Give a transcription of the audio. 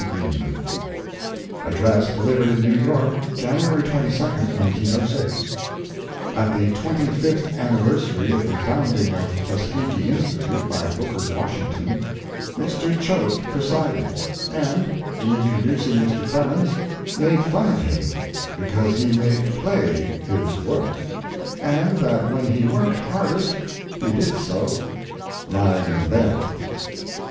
TAXES AND MORALS ADDRESS DELIVERED IN NEW YORK, JANUARY 22, 1906 At the twenty fifth anniversary of the founding of Tuskeegee Institute by Booker Washington, Mr. Choate presided, and in introducing Mr. Clemens made fun of him because he made play his work, and that when he worked hardest he did so lying in bed.